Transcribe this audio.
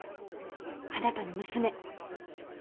あなたの娘。